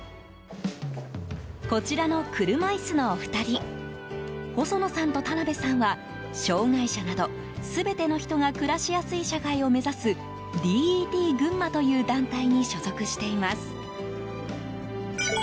こちらの車椅子のお二人細野さんと田辺さんは障害者など全ての人が暮らしやすい社会を目指すＤＥＴ群馬という団体に所属しています。